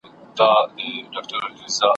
تر همدغه آسمان لاندي ,